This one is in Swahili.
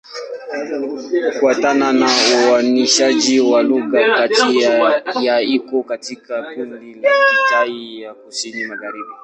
Kufuatana na uainishaji wa lugha, Kitai-Ya iko katika kundi la Kitai ya Kusini-Magharibi.